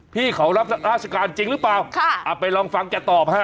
พี่เขารับราชการจริงหรือเปล่าค่ะเอาไปลองฟังแกตอบฮะ